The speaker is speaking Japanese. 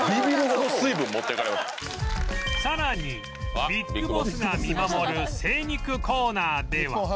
さらに ＢＩＧＢＯＳＳ が見守る精肉コーナーでは